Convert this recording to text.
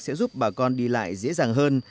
sẽ giúp bà con đi lại dễ dàng hơn